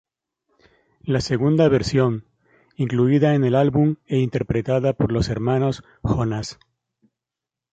La segunda versión, incluida en el álbum e interpretada por los hermanos Jonas.